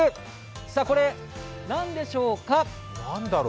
さぁ、これ何でしょうか。